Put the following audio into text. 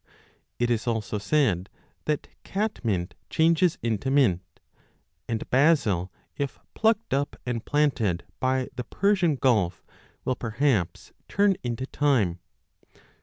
It is also said that catmint changes into mint, and basil, if plucked up and 30 planted by the Persian Gulf, will perhaps turn into thyme.